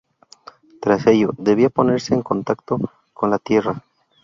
Tras ello, debía ponerse en contacto con la Tierra.